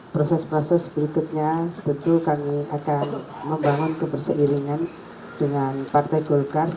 proses proses berikutnya tentu kami akan membangun keberseiringan dengan partai golkar